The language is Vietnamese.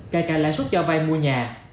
cài cài lãi suất cho vay mua nhà